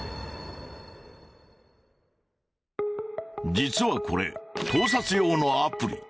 実はこれ盗撮用のアプリ。